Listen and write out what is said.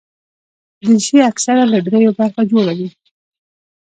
دریشي اکثره له درېو برخو جوړه وي.